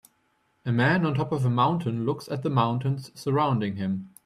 A man on top of a mountain looks at the mountains surrounding him.